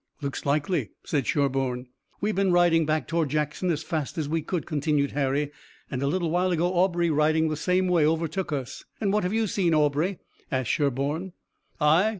"Look's likely," said Sherburne. "We've been riding back toward Jackson as fast as we could," continued Harry, "and a little while ago Aubrey riding the same way overtook us." "And what have you seen, Aubrey?" asked Sherburne. "I?